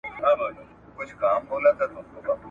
او ما په هغه پسي اقتداء کړې ده ..